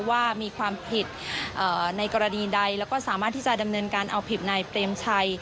ว่ามีความผิดในกรณีใดแล้วก็สามารถที่จะดำเนินการเอาผิดนายเปรมชัย